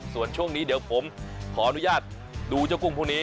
ส่วนช่วงนี้เดี๋ยวผมขออนุญาตดูเจ้ากุ้งพวกนี้